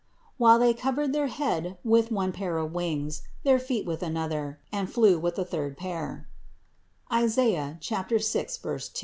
while they covered their head with one pair of wings, their feet with another, flew with the third pair (Isaias 6, 2).